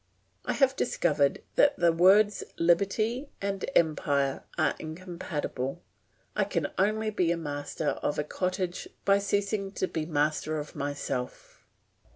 I have discovered that the words liberty and empire are incompatible; I can only be master of a cottage by ceasing to be master of myself.